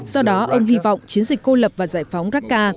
do đó ông hy vọng chiến dịch cô lập và giải phóng racar